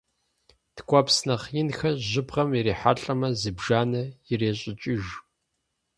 Ткӏуэпс нэхъ инхэр жьыбгъэм ирихьэлӏэмэ, зыбжанэ ирещӏыкӏыж.